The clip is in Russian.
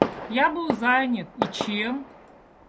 Я был занят, и чем?